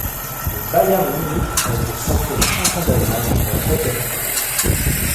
Le Bayern Munich a été sacré champion d'Allemagne pour la septième fois.